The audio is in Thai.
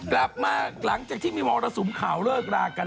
กลับมาหลังจากที่มีหมอนสุมข่าวเลิกรากัน